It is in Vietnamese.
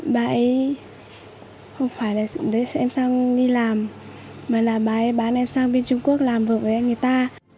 bà ấy không phải là em sang đi làm mà là bà ấy bán em sang bên trung quốc làm vợ với người ta